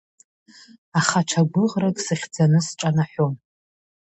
Аха ҽа гәыӷрак сыхьӡаны сҿанаҳәон…